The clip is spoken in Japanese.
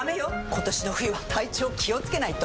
今年の冬は体調気をつけないと！